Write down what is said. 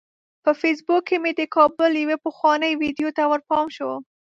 په فیسبوک کې مې د کابل یوې پخوانۍ ویډیو ته ورپام شو.